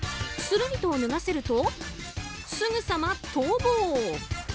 するりと脱がせるとすぐさま逃亡。